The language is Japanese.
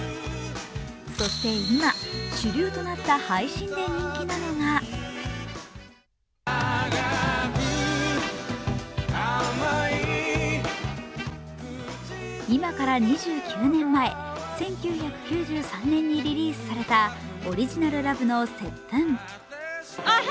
そして今、主流となった配信で人気なのが今から２９年前、１９９３年にリリースされたＯＲＩＧＩＮＡＬＬＯＶＥの「接吻」。